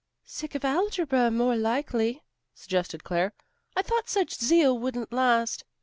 "Sick of algebra, more likely," suggested Claire. "I thought such zeal wouldn't last."